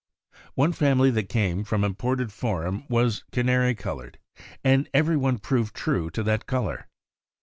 One family that came from Imported Forum was canary colored, and every one proved true to that color.